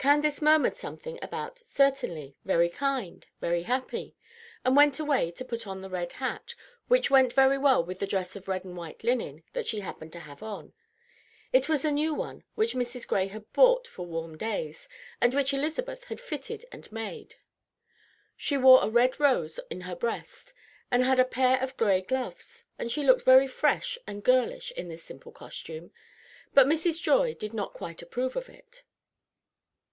Candace murmured something about "Certainly, very kind, very happy," and went away to put on the red hat, which went very well with the dress of red and white linen that she happened to have on. It was a new one, which Mrs. Gray had bought for warm days, and which Elizabeth had fitted and made. She wore a red rose in her breast, and had a pair of gray gloves, and she looked very fresh and girlish in this simple costume; but Mrs. Joy did not quite approve of it.